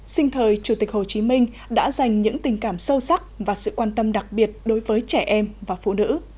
sinh thời chủ tịch hồ chí minh đã dành những tình cảm sâu sắc và sự quan tâm đặc biệt đối với trẻ em và phụ nữ